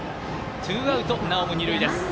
ツーアウト、なおも二塁です。